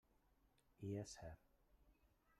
I és cert.